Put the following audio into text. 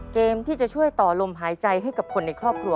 เกมที่จะช่วยต่อลมหายใจให้กับคนในครอบครัว